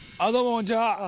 こんにちは。